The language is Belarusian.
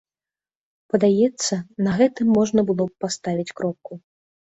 Падаецца, на гэтым можна было б паставіць кропку.